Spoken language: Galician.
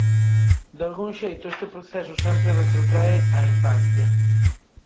Dalgún xeito, este proceso sempre retrotrae á infancia.